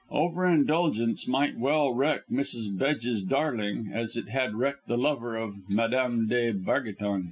Overindulgence might well wreck Mrs. Bedge's darling, as it had wrecked the lover of Madame de Bargeton.